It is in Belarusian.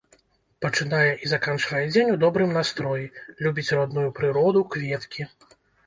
Пачынае і заканчвае дзень у добрым настроі, любіць родную прыроду, кветкі.